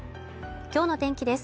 今日の天気です